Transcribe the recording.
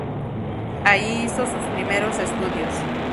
Ahí hizo sus primeros estudios.